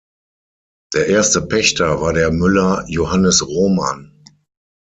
Der erste Pächter war der Müller "Johannes Rohmann".